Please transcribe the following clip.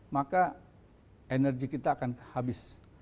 maka energi kita akan habis